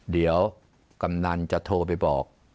เดี๋ยวกำนันจะโทรไปบอก